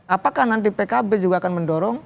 apakah nanti pkb juga akan mendorong